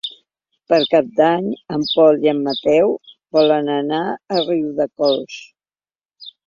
Per Cap d'Any en Pol i en Mateu volen anar a Riudecols.